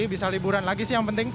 bisa liburan lagi sih yang penting